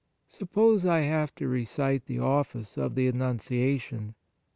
Suppose I have to recite the Office of the Annuncia tion.